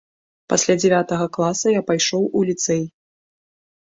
Пасля дзявятага класа я пайшоў у ліцэй.